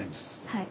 はい。